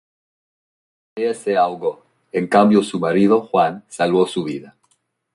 Ella se ahogó; en cambio su marido, Juan, salvó su vida.